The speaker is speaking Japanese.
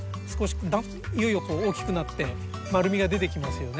いよいよ大きくなって丸みが出てきますよね。